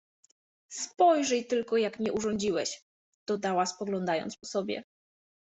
Spojrzyj tylko, jak mnie urządziłeś! — dodała, spoglądając po sobie.